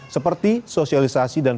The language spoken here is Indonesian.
seperti sosialisasi dan penyelidikan